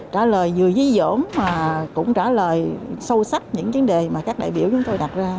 trả lời dưới dưới dỗ mà cũng trả lời sâu sắc những chuyến đề mà các đại biểu chúng tôi đặt ra